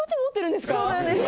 そうなんです。